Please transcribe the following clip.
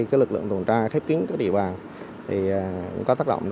khi lực lượng tổn tra khép kín các địa bàn